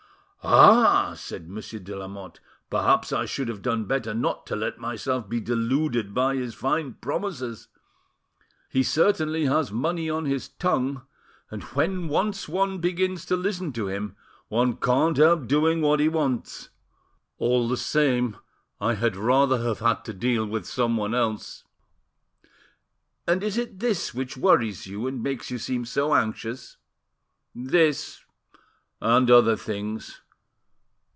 "Ah!" said Monsieur de Lamotte, "perhaps I should have done better not to let myself be deluded by his fine promises. He certainly has money on his tongue, and when once one begins to listen to him, one can't help doing what he wants. All the same, I had rather have had to deal with someone else." "And is it this which worries you, and makes you seem so anxious?" "This and other things."